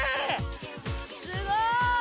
すごい！